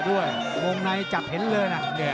มองกองไนถูกจับเห็นเลยนะ